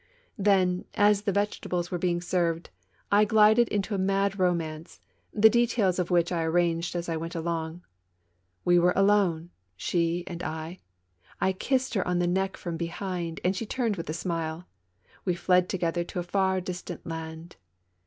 Then, as the vege tables were being served^ I glided into a mad romance, 26 TWO CHARMERS. the details of wliich I arranged as I went along. We were alone — she and I ; I kissed her on the neck frona behind, and she turned with a smile; we fled together to a far distant land.